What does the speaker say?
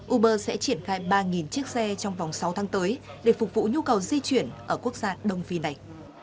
uber sẽ triển khai ba chiếc xe trong vòng sáu tháng tới để phục vụ nhu cầu di chuyển ở quốc gia đông phi này